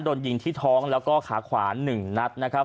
โดนยิงที่ท้องแล้วก็ขาขวา๑นัดนะครับ